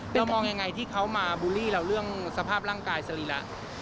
มองยังไงที่เขามาบูลลี่เราเรื่องสภาพร่างกายสรีระ